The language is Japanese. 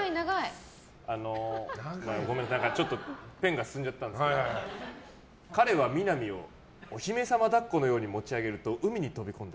ちょっとペンが進んじゃったんですけど彼は、みな実をお姫様抱っこのように持ち上げると海に飛び込んだ。